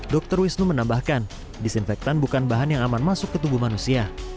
dr wisnu menambahkan disinfektan bukan bahan yang aman masuk ke tubuh manusia